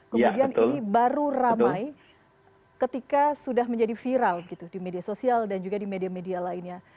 kemudian ini baru ramai ketika sudah menjadi viral gitu di media sosial dan juga di media media lainnya